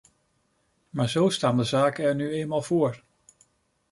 Maar zo staan de zaken er nu eenmaal voor.